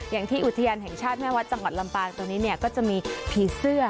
อย่างที่อุทยานแห่งชาติแม่วัดจังหวัดลำปางตรงนี้เนี่ยก็จะมีผีเสื้อ